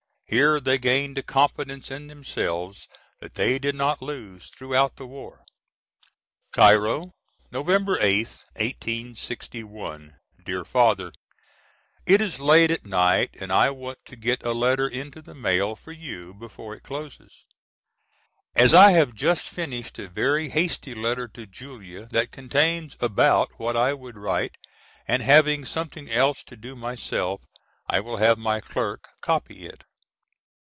Here they gained a confidence in themselves that they did not lose throughout the war.] Cairo, November 8th, 1861. DEAR FATHER: It is late at night and I want to get a letter into the mail for you before it closes. As I have just finished a very hasty letter to Julia that contains about what I would write, and having something else to do myself, I will have my clerk copy it.